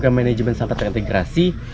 untuk pembangunan pemerintah dan pembangunan migrasi